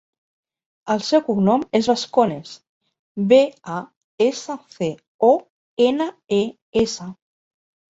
El seu cognom és Bascones: be, a, essa, ce, o, ena, e, essa.